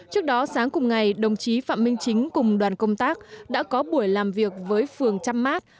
trước đó sáng cùng ngày đồng chí phạm minh chính cùng đoàn công tác đã có buổi làm việc với phường trăm mát